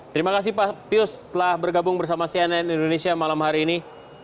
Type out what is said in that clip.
terima kasih pak pius telah bergabung bersama cnn indonesia malam hari ini